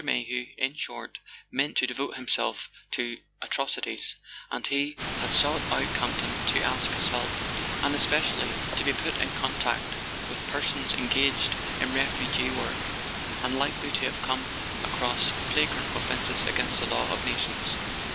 Mayhew, in short, meant to devote himself to Atrocities; and he had sought out Campton to ask his help, and especially [ 141 ] A SON AT THE FRONT to be put in contact with persons engaged in refugee work, and likely to have come across flagrant offences against the law of nations.